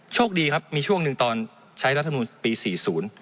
โชคดีครับมีช่วงหนึ่งตอนใช้รัฐพนุนปี๔๐